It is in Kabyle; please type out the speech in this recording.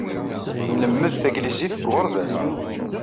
Nlemmed tanglizit deg uɣerbaz.